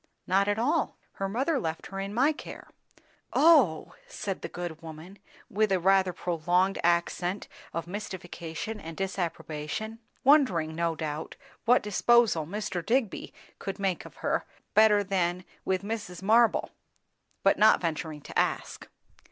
"Not at all. Her mother left her in my care." "Oh! " said the good woman, with a rather prolonged accent of mystification and disapprobation; wondering, no doubt, what disposal Mr. Digby could make of her, better than with Mrs. Marble; but not venturing to ask.